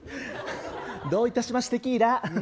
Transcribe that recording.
どういたしましテキーラ！